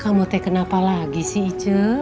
kamu teh kenapa lagi sih ica